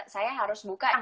saya harus buka